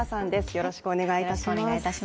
よろしくお願いします。